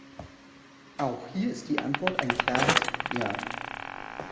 Auch hier ist die Antwort ein klares Ja.